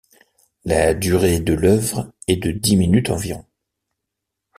La durée de l'œuvre est de dix minutes environ.